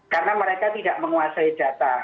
karena mereka tidak menguasai data